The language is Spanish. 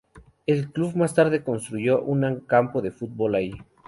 El club más tarde construyó un campo de fútbol allí.